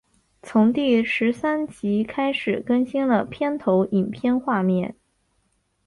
从第十三集开始更新了片头影片画面。